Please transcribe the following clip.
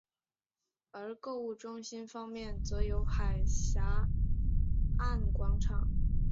而购物中心方面则有海峡岸广场。